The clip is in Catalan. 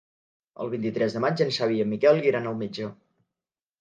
El vint-i-tres de maig en Xavi i en Miquel iran al metge.